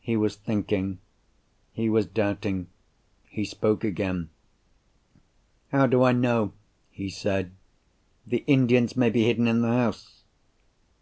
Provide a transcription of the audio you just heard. He was thinking; he was doubting—he spoke again. "How do I know?" he said. "The Indians may be hidden in the house."